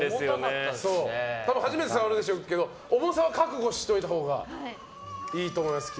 多分初めて触るでしょうけれど重さは覚悟しておいたほうがいいと思います。